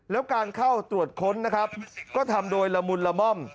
แล้วการเข้าตรวจค้นนะครับก็ทำโดยละมุนละม่อม